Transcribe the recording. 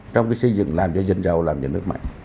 trong cái xây dựng làm cho dân giàu làm cho nước mạnh